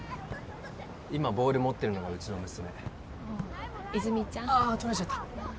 今ボール持ってるのがうちの娘ああ泉実ちゃん？ああ取られちゃった